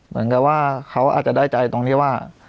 มีก็ว่าเขาอาจจะได้ใจตรงนี้ว่า